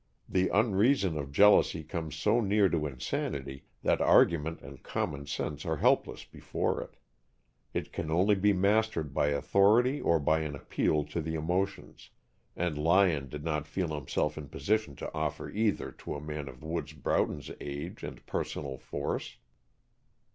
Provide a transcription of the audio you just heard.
The unreason of jealousy comes so near to insanity that argument and common sense are helpless before it. It can only be mastered by authority or by an appeal to the emotions, and Lyon did not feel himself in position to offer either to a man of Woods Broughton's age and personal force.